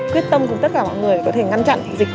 quyết tâm cùng tất cả mọi người có thể ngăn chặn dịch